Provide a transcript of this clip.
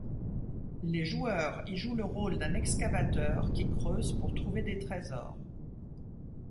Les joueurs y jouent le rôle d'un excavateur qui creuse pour trouver des trésors.